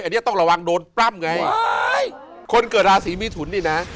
อันเนี้ยต้องระวังโดนปั้มไงเฮ้ยคนเกิดราศรีมิถุนนี่น่ะ